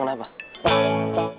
sam sam apaan sih